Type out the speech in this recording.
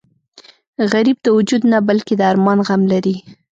غریب د وجود نه بلکې د ارمان غم لري